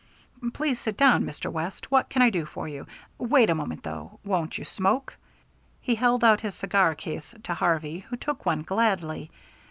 "Please sit down, Mr. West. What can I do for you? Wait a moment, though. Won't you smoke?" He held out his cigar case to Harvey, who took one gladly.